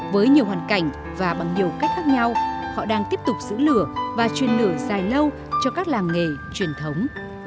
với nhiều hoàn cảnh và bằng nhiều cách khác nhau họ đang tiếp tục giữ lửa và truyền lửa dài lâu cho các làng nghề truyền thống